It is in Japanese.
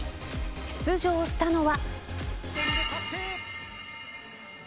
出場したのは。